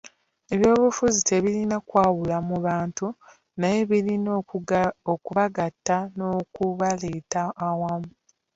Eby'obufuzi tebirina kwawula mu bantu naye birina okubagatta n'okubaleeta awamu.